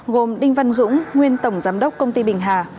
gồm đinh văn dũng nguyên tổng giám đốc công ty bình hà